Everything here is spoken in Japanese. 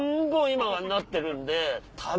今はなってるんで。